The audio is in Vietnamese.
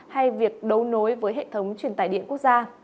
hay việc đấu nối với hệ thống truyền tải điện quốc gia